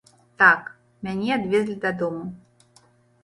Так, мяне адвезлі дадому.